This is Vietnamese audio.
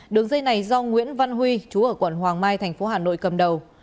đường dây này do nguyễn văn huy chú ở quận hoàng mai tp hà nội cầm đầu